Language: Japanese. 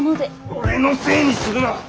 俺のせいにするな。